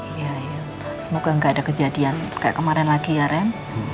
iya ya semoga nggak ada kejadian kayak kemarin lagi ya ren